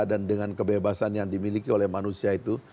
dan dengan kebebasan yang dimiliki oleh manusia itu